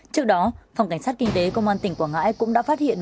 trước đó phòng cảnh sát kinh tế công an tỉnh quảng ngãi cũng đã phát hiện